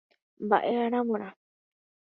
Mba'e aravorã.